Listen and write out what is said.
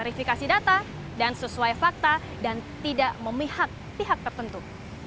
berita yang tersebar telah melalui verifikasi data dan sesuai fakta dan tidak memihak pihak tertentu